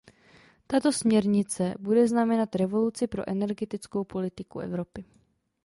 Tato směrnice bude znamenat revoluci pro energetickou politiku Evropy.